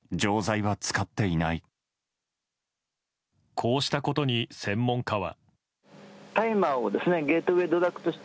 こうしたことに、専門家は。